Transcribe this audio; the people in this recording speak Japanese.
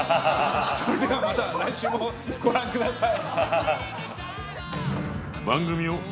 それではまた来週もご覧ください